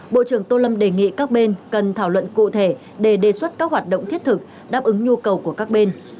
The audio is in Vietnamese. bộ trưởng tô lâm đề nghị các bên cần thảo luận cụ thể để đề xuất các hoạt động thiết thực đáp ứng nhu cầu của các bên